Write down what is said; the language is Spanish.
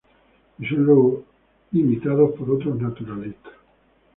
Y son luego imitados por otros naturalistas.